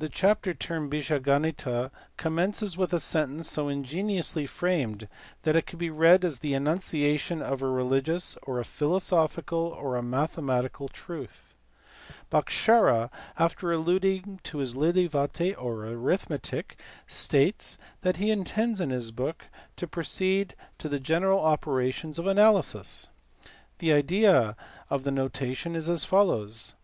The chapter termed Bija Ganita commences with a sentence so ingeniously framed that it can be read as the enunciation of a religious, or a philosophical, or a mathematical truth. Bhaskara after alluding to his Lilavati or arithmetic states that he intends in this book to proceed to the general operations of analysis. The idea of the notation is as follows.